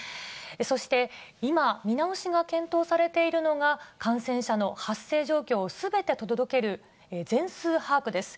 そして今、見直しが検討されているのが、感染者の発生状況をすべて届け出る全数把握です。